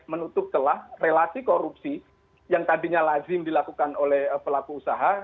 menutup celah relasi korupsi yang tadinya lazim dilakukan oleh pelaku usaha